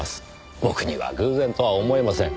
僕には偶然とは思えません。